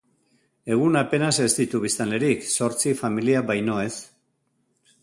Egun apenas ez ditu biztanlerik, zortzi familia baino ez.